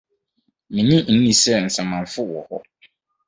Mennye nni sɛ nsamanfo wɔ hɔ.